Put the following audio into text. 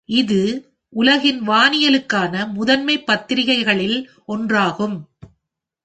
இது உலகின் வானியலுக்கான முதன்மை பத்திரிகைகளில் ஒன்றாகும்.